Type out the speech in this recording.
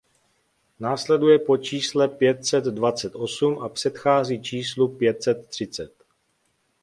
Následuje po čísle pět set dvacet osm a předchází číslu pět set třicet.